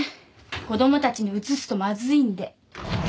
子供たちにうつすとまずいんで。